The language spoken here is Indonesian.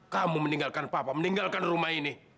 kamu meninggalkan papa meninggalkan rumah ini